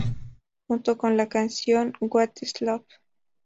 Junto con la canción ""What Is Love?